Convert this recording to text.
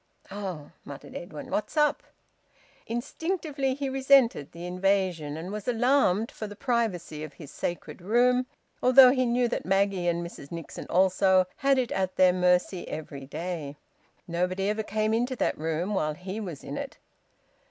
"Oh!" muttered Edwin. "What's up?" Instinctively he resented the invasion, and was alarmed for the privacy of his sacred room, although he knew that Maggie, and Mrs Nixon also, had it at their mercy every day. Nobody ever came into that room while he was in it.